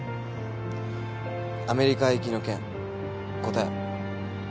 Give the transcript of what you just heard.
アメリカ行きの件答え